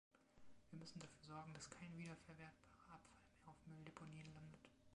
Wir müssen dafür sorgen, dass kein wiederverwertbarer Abfall mehr auf Mülldeponien landet.